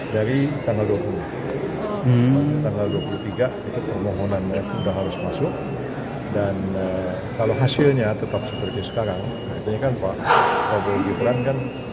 dari tanggal dua puluh tiga itu permohonannya sudah harus masuk dan kalau hasilnya tetap seperti sekarang